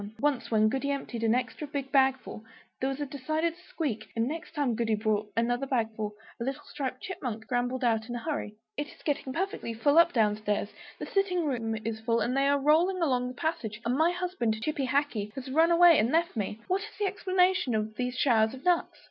Once when Goody emptied an extra big bagful, there was a decided squeak; and next time Goody brought another bagful, a little striped Chipmunk scrambled out in a hurry. "It is getting perfectly full up down stairs; the sitting room is full, and they are rolling along the passage; and my husband, Chippy Hackee, has run away and left me. What is the explanation of these showers of nuts?"